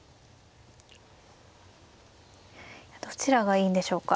どちらがいいんでしょうか。